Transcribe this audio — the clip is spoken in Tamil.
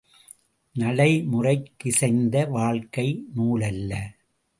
நடைமுறைக்கிசைந்த வாழ்க்கை நூலல்ல!